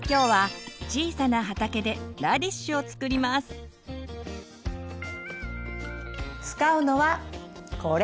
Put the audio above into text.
使うのはこれ！